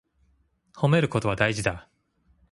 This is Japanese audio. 褒めることは大事だ。